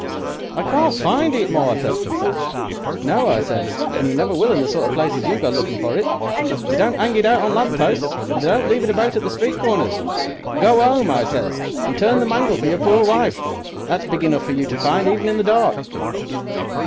"'I can't find it, Martha,' 'e says. "'No,' I says, 'and you never will in the sort of places you go looking for it. They don't 'ang it out on lamp posts, and they don't leave it about at the street corners. Go 'ome,' I says, 'and turn the mangle for your poor wife. That's big enough for you to find, even in the dark.